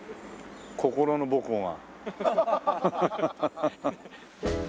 心の母校が。